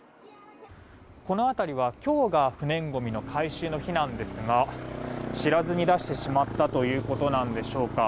この辺りは今日が不燃ごみの回収の日なんですが知らずに出してしまったということなんでしょうか。